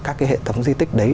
các cái hệ tấm di tích đấy